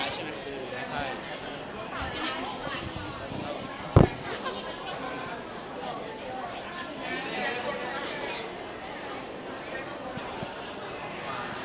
ขอบคุณมาก